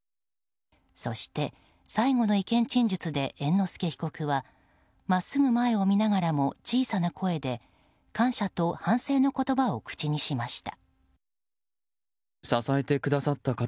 そして、最後の意見陳述で猿之助被告は真っすぐ前を見ながらも小さな声で感謝と反省の言葉を口にしました。